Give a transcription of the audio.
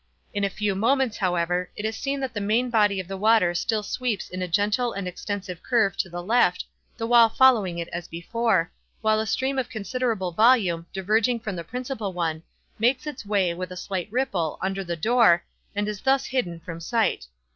In a few moments, however, it is seen that the main body of the water still sweeps in a gentle and extensive curve to the left, the wall following it as before, while a stream of considerable volume, diverging from the principal one, makes its way, with a slight ripple, under the door, and is thus hidden from sight.